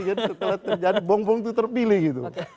setelah terjadi bom bong itu terpilih gitu